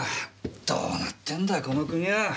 どうなってんだこの国は。